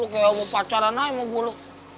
kayak mau pacaran aja sama gua